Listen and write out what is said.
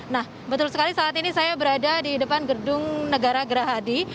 nah betul sekali saat ini saya berada di depan gedung negara gerahadi